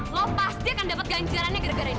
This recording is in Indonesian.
lo pasti akan dapat ganjarannya gara gara ini